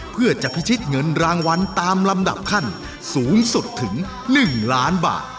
เพื่อจะพิชิตเงินรางวัลตามลำดับขั้นสูงสุดถึง๑ล้านบาท